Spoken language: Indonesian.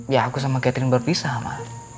ya aku sama catherine berpisah sama